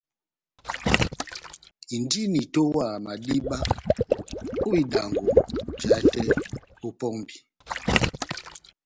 Indini itowaha madíba ó idangɔ, jahate ó pɔmbi.